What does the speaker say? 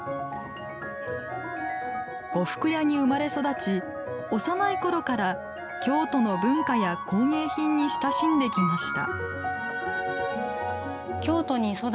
呉服屋に生まれ育ち幼い頃から、京都の文化や工芸品に親しんできました。